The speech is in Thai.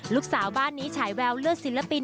ลูกสาวบ้านนี้ฉายแววเลือดศิลปิน